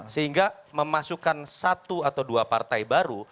sehingga memasukkan satu atau dua partai baru